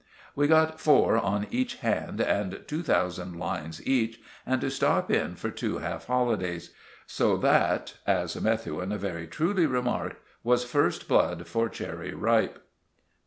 We got four on each hand, and two thousand lines each, and to stop in for two half holidays. So that, as Methuen very truly remarked, was first blood for Cherry Ripe.